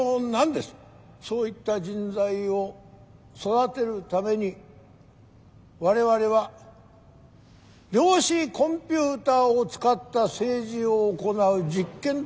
そういった人材を育てるために我々は量子コンピューターを使った政治を行う実験都市を造り上げました。